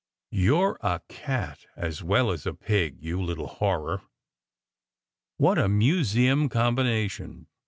"You re a cat as well as a pig, you little horror!" "What a museum combination!